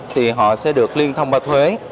thì họ sẽ được liên thông qua thuế